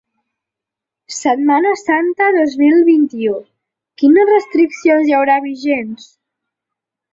Setmana Santa dos mil vint-i-u: quines restriccions hi haurà vigents?